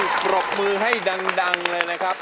ปรบมือให้ดังเลยนะครับ